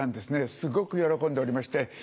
すごく喜んでおりまして。